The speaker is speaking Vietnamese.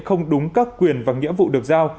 không đúng các quyền và nghĩa vụ được giao